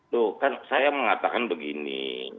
loh kan saya mengatakan begini